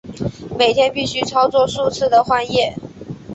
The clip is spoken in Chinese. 每天必须操作数次的换液。